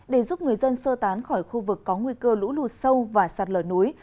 để giúp người dân sơ tán khỏi khu vực có nguy cơ lũ lụt sâu và sạt lở núi